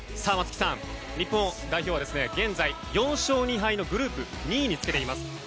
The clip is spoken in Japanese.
松木さん、日本代表は現在４勝２敗のグループ２位につけています。